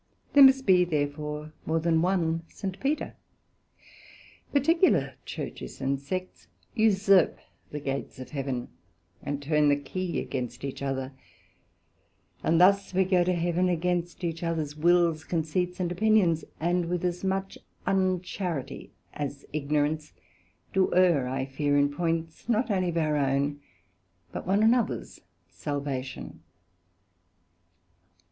There must be, therefore, more than one St. Peter: particular Churches and Sects usurp the gates of Heaven, and turn the key against each other: and thus we go to Heaven against each others wills, conceits and opinions; and with as much uncharity as ignorance, do err I fear in points not only of our own, but one an others salvation.